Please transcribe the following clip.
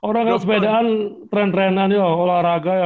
orang yang sepedaan tren trenan ya olahraga ya